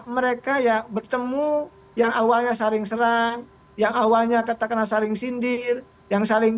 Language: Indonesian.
mereka yang bertemu yang awalnya saring serang yang awalnya kata kata saring sindir yang saling